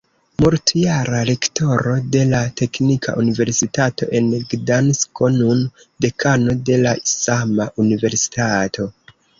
Multjara rektoro de la Teknika Universitato en Gdansko, nun dekano de la sama universitato.